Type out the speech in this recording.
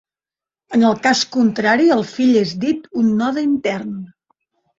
En el cas contrari el fill és dit un node intern.